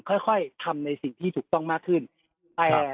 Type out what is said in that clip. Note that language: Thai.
ค่อยทำในสิ่งที่ถูกต้องมากขึ้นแต่